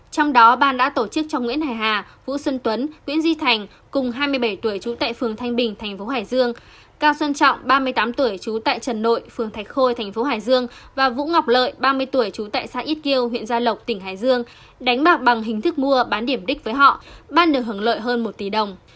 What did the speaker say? trong đó ban đã tổ chức cho nguyễn hải hà vũ xuân tuấn nguyễn duy thành cùng hai mươi bảy tuổi trú tại phường thanh bình thành phố hải dương cao xuân trọng ba mươi tám tuổi trú tại trần nội phường thạch khôi thành phố hải dương và vũ ngọc lợi ba mươi tuổi trú tại xã ít kiêu huyện gia lộc tỉnh hải dương đánh bạc bằng hình thức mua bán điểm đích với họ ban được hưởng lợi hơn một tỷ đồng